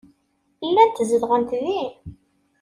Llant zedɣent din.